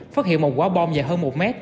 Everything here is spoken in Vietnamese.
phát hiện một quả bom dài hơn một m